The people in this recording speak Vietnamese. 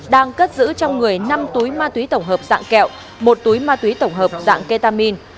đang cất giữ trong người năm túi ma túy tổng hợp dạng kẹo một túi ma túy tổng hợp dạng ketamin